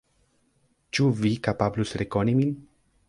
Ĉu Vi kapablus rekoni min?